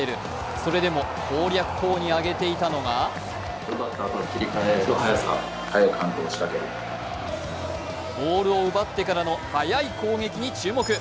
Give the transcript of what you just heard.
それでも攻略法に挙げていたのがボールを奪ってからの早い攻撃に注目。